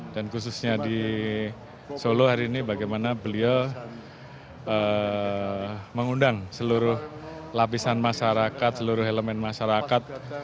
dan khususnya di solo hari ini bagaimana beliau mengundang seluruh lapisan masyarakat seluruh elemen masyarakat